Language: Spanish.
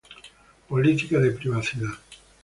Política de Privacidad